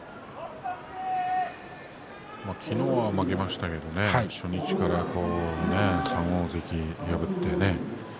昨日は負けましたけれども初日から３大関を破ってね